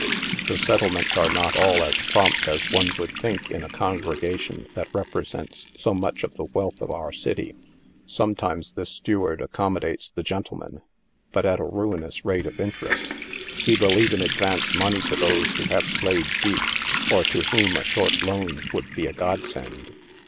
The settlements are not all as prompt as one would think in a congregation that represents so much of the wealth of our city. Sometimes this steward accom modates the gentlemen, but at a ruinous rate of interest. He will even advance money to those who have played deep, or to whom a short loan would be a God send.